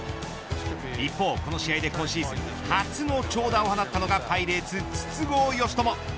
一方、この試合で今シーズン初の長打を放ったのがパイレーツ筒香嘉智。